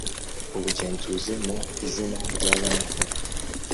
ubugenzuzi mu izina rya Banki Nkuru